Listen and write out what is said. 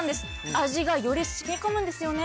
味がより染み込むんですよね